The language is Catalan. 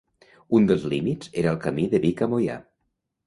Un dels límits era el camí de Vic a Moià.